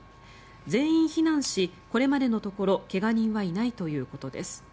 全員避難し、これまでのところ怪我人はいないということです。